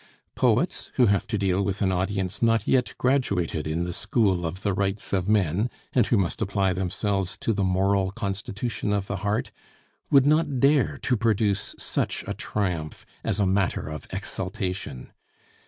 Poets, who have to deal with an audience not yet graduated in the school of the rights of men, and who must apply themselves to the moral constitution of the heart, would not dare to produce such a triumph as a matter of exultation.